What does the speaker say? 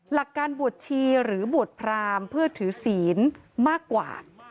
หลักการบวชชีหรือบวชพรามเพื่อถือศีลมากกว่า